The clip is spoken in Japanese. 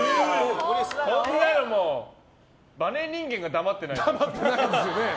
こんなのバネ人間が黙ってないよ。